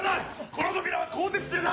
この扉は鋼鉄製だ！